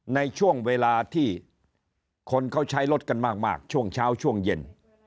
ในช่วงเวลาที่คนเขาใช้รถกันมากช่วงเช้าช่วงเย็น